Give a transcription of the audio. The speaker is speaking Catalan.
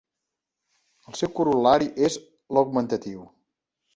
El seu corol·lari és l'augmentatiu.